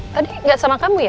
tadi nggak sama kamu ya